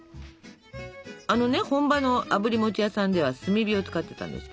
あのね本場のあぶり餅屋さんでは炭火を使ってたんですけどね